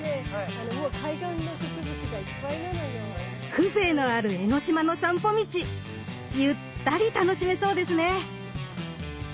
風情のある江の島の散歩道ゆったり楽しめそうですね。